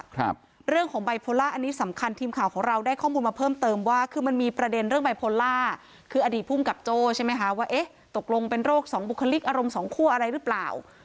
ครับเรื่องของไบโพล่าอันนี้สำคัญทีมข่าวของเราได้ข้อมูลมาเพิ่มเติมว่าคือมันมีประเด็นเรื่องไบโพล่าคืออดีตภูมิกับโจ้ใช่ไหมคะว่าเอ๊ะตกลงเป็นโรคสองบุคลิกอารมณ์สองคั่วอะไรหรือเปล่า